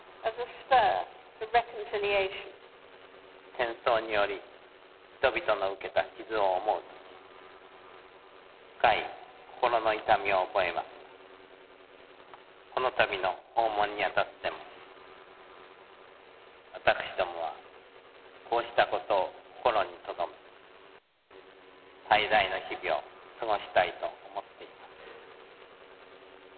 戦争により、人々の受けた傷を思うとき、深い心の痛みを覚えますが、このたびの訪問にあたっても、私どもはこうしたことを心にとどめ、滞在の日々を過ごしたいと思っています。